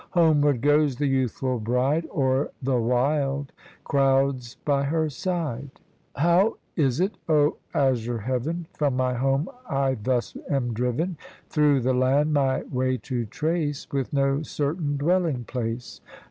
Homeward goes the youthful bride O'er the wild, crowds by her side. i6 THE STORY OF CONFUCIUS How is it, 0 azure Heaven, From my home I thus am driven, Through the land my way to trace With no certain dweUing place